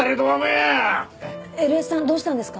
エルエスさんどうしたんですか？